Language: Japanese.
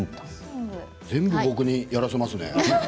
全部、僕にやらせますね。